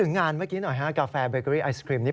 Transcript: งานเมื่อกี้หน่อยฮะกาแฟเบเกอรี่ไอศครีมนี้